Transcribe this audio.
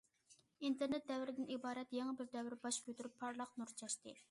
ئىنتېرنېت دەۋرىدىن ئىبارەت يېڭى بىر دەۋر باش كۆتۈرۈپ پارلاق نۇر چاچتى.